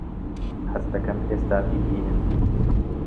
حەز دەکەم ئێستا بیبینم.